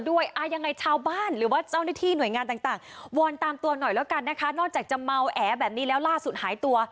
วอนตามตัวหน่อยแล้วกันนะคะนอกจากจะเมาแอแบบนี้แล้วล่าสุดหายตัว